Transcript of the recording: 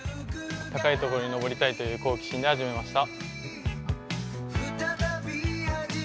高いところに登りたいという好奇心で始めました。